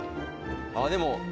あっでも。